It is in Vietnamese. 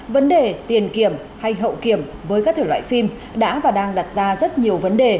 vấn đề tiền kiểm hay hậu kiểm với các thể loại phim đã và đang đặt ra rất nhiều vấn đề